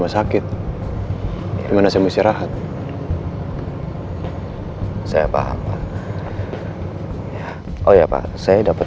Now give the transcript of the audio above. karena ya mungkin bapak pasti capek biar saya dan riza yang akan menangkan saya ya pak